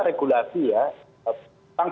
regulasi ya tentang